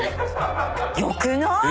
良くない？